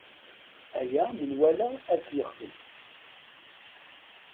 Aya menwala ad t-yexdem.